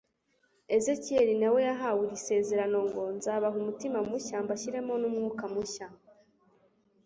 Ezekieli nawe yahawe iri sezerano ngo : «Nzabaha umutima mushya, mbashyiremo n'umwuka mushya,